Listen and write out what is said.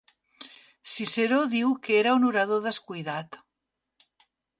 Ciceró diu que era un orador descuidat.